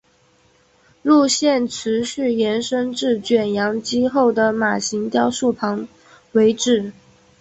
路线持续延伸至卷扬机后的马型雕塑旁为止。